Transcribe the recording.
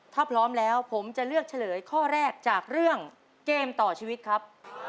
ถ้าพร้อมแล้วผมจะเลือกเฉลยข้อแรกจากเรื่องเกมต่อชีวิตครับ